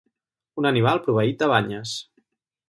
Un animal proveït de banyes.